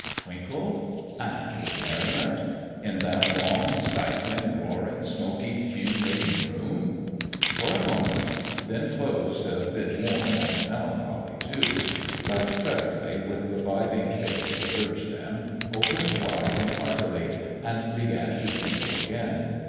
Twinkled ? and with merriment ? in that long, stifling, roaring, smoky, fume laden room ? For a moment : then closed, a bit 98 The MAKING of a MAN worn, and melancholy, too ; but presently, with reviving faith to urge them, opened wide and heartily, and began to twinkle again.